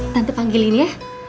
tante panggilin ya